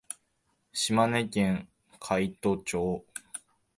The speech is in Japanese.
島根県海士町